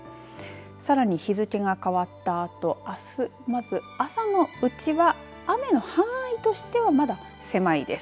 さらに日付が変わったあとあすまず、朝のうちは雨の範囲としてはまだ狭いです。